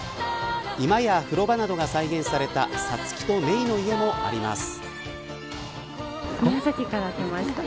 居間や風呂場などが再現されたサツキとメイの家もあります。